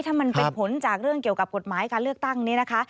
ถ้ามันเป็นผลจากเรื่องเกี่ยวกับกฎหมายการเลือกตั้งนี้นะคะ